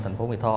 thành phố mỹ tho